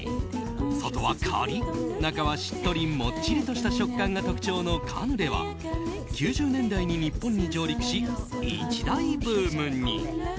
外はカリッ、中はしっとりもっちりとした食感が特徴のカヌレは９０年代に日本に上陸し一大ブームに。